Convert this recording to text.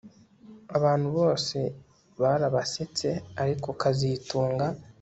Abantu bose barabasetse ariko kazitunga